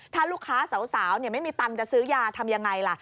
ถ้าลูกค้าสาวไม่มีตังค์จะซื้อยาทำยังไงล่ะ